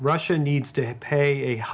rusia harus membayar